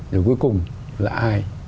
rồi cuối cùng là ai